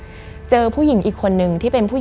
มันกลายเป็นรูปของคนที่กำลังขโมยคิ้วแล้วก็ร้องไห้อยู่